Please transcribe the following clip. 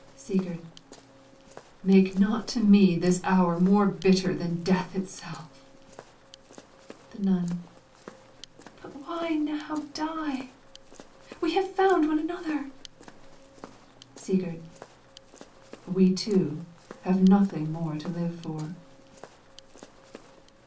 Sigurd Make not to me this hour more bitter than death itself. The Nun But why now die? We have found one another. Sigurd We two have nothing more to live for.